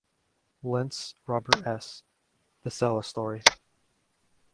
Lince, Robert S. "The Selah Story".